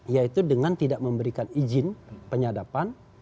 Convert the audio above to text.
yaitu dengan tidak memberikan izin penyadapan